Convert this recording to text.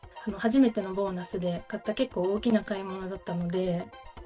初めてのボーナスで買った、結構大きな買い物だったので。